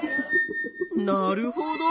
なるほど。